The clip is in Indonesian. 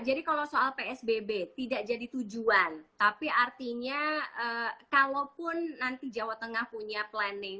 jadi kalau soal psbb tidak jadi tujuan tapi artinya kalaupun nanti jawa tengah punya planning